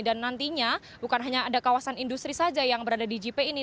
dan nantinya bukan hanya ada kawasan industri saja yang berada di jip ini